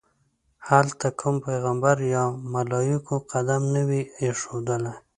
هلته کوم پیغمبر یا ملایکو قدم نه وي ایښودلی.